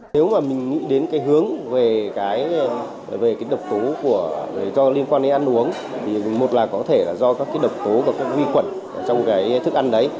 nếu mà mình nghĩ đến cái hướng về cái độc tố do liên quan đến ăn uống thì một là có thể là do các cái độc tố và các cái huy quẩn trong cái thức ăn đấy